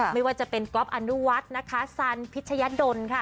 ไม่ว่าจะเป็นก๊อฟอนุวัฒน์นะคะสันพิชยดลค่ะ